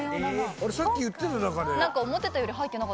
さっき言ってた中で。